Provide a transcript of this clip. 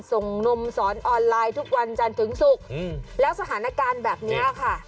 นมสอนออนไลน์ทุกวันจันทร์ถึงศุกร์แล้วสถานการณ์แบบนี้ค่ะ